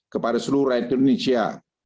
kepada seluruh rakyat indonesia